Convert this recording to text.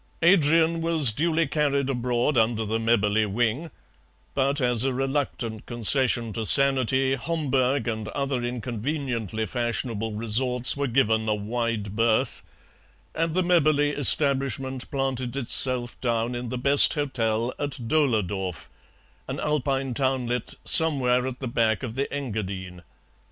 Adrian was duly carried abroad under the Mebberley wing; but as a reluctant concession to sanity Homburg and other inconveniently fashionable resorts were given a wide berth, and the Mebberley establishment planted itself down in the best hotel at Dohledorf, an Alpine townlet somewhere at the back of the Engadine.